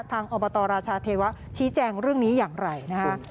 อบตราชาเทวะชี้แจงเรื่องนี้อย่างไรนะคะ